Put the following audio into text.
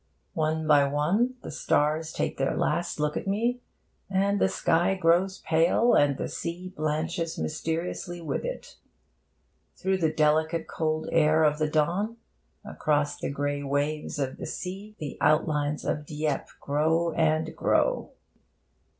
One by one, the stars take their last look at me, and the sky grows pale, and the sea blanches mysteriously with it. Through the delicate cold air of the dawn, across the grey waves of the sea, the outlines of Dieppe grow and grow.